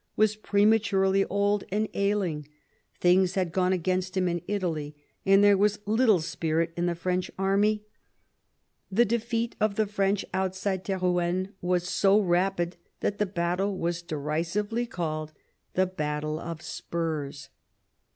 was prematurely old and ailing ; things had gone against him in Italy, and there was little spirit in the French army. The defeat of the French outside Terou enne was so rapid that the battle was derisively called the Battle of Spurs.